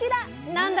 何だ？